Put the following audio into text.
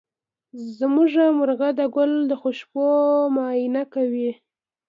زمونږ مرغه د ګل د خوشبو معاینه کوي.